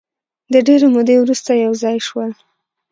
د ډېرې مودې وروسته یو ځای شول.